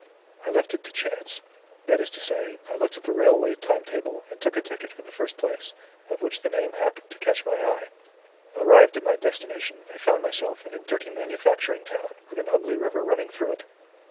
"I left it to chance. That is to say, I looked at the railway time table, and took a ticket for the first place, of which the name happened to catch my eye. Arrived at my destination, I found myself in a dirty manufacturing town, with an ugly river running through it.